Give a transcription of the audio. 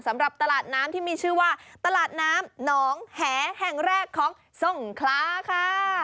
สำหรับตลาดน้ำที่มีชื่อว่าตลาดน้ำหนองแหแห่งแรกของทรงคลาค่ะ